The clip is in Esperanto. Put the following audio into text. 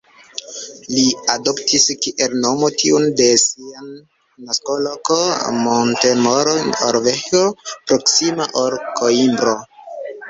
Li adoptis kiel nomo tiun de sia naskoloko, Montemor-o-Velho, proksima al Koimbro.